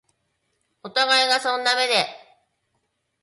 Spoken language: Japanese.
お互いがそんな目で